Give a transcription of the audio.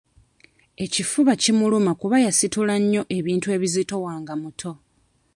Ekifuba kimuluma kuba yasitula nnyo ebintu ebizitowa nga muto.